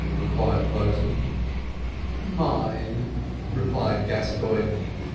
inquired the boatswain. "Mine," replied Gascoigne.